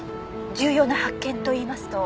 重要な発見といいますと？